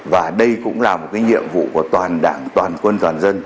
và đây cũng là một nhiệm vụ của toàn đảng toàn quân toàn dân